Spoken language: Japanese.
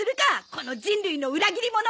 この人類の裏切り者！